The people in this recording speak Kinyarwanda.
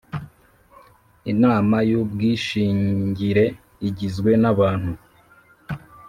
Inama y ubwishingire igizwe n abantu